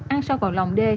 ăn sâu vào lòng đê